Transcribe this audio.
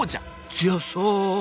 強そう！